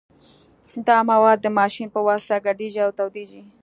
دا مواد د ماشین په واسطه ګډیږي او تودیږي